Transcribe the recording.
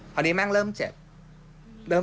พอนี้แม่งเริ่มเจ็บ